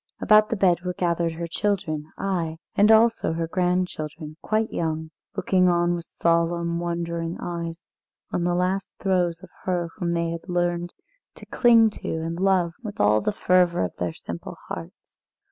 About the bed were gathered her children, ay, and also her grandchildren, quite young, looking on with solemn, wondering eyes on the last throes of her whom they had learned to cling to and love with all the fervour of their simple hearts.